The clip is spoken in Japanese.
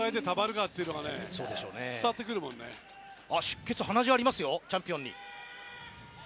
鼻血がありますよチャンピオンに。